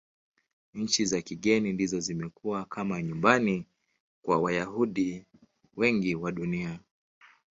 Nchi za kigeni ndizo zimekuwa kama nyumbani kwa Wayahudi wengi wa Dunia.